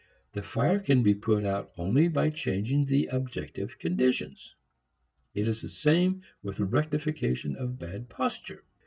The fire can be put out only by changing objective conditions; it is the same with rectification of bad posture.